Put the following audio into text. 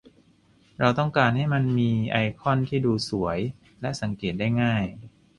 เราต้องการให้มันมีไอคอนที่ดูสวยและสังเกตได้ง่าย